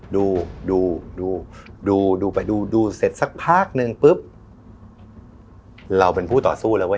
ดูดูดูดูไปดูดูเสร็จสักพักหนึ่งปุ๊บเราเป็นผู้ต่อสู้แล้วเว้